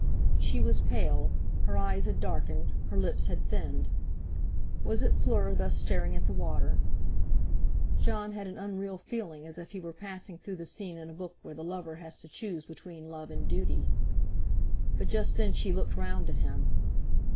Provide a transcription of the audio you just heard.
She was pale, her eyes had darkened, her lips had thinned. Was it Fleur thus staring at the water? Jon had an unreal feeling as if he were passing through the scene in a book where the lover has to choose between love and duty. But just then she looked round at him.